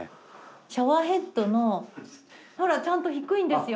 シャワーヘッドのほらちゃんと低いんですよ。